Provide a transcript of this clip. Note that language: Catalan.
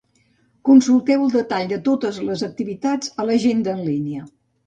Consulteu el detall de totes les activitats a l'agenda en línia.